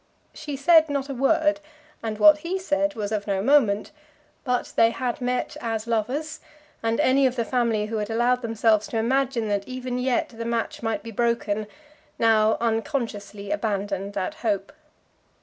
She said not a word; and what he said was of no moment; but they had met as lovers, and any of the family who had allowed themselves to imagine that even yet the match might be broken, now unconsciously abandoned that hope.